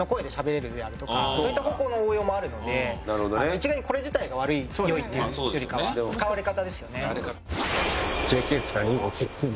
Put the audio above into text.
一概にこれ自体が悪い良いっていうよりかは使われ方ですよね。